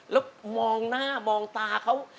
แล้วมองหน้ามองตาเขา